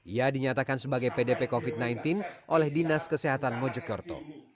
ia dinyatakan sebagai pdp covid sembilan belas oleh dinas kesehatan mojokerto